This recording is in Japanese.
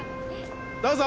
どうぞ！